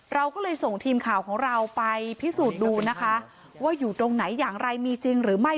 เราก็เลยส่งทีมข่าวของเราไปพิสูจน์ดูนะคะว่าอยู่ตรงไหนอย่างไรมีจริงหรือไม่